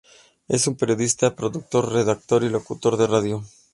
Es un periodista, productor, redactor y locutor de radio.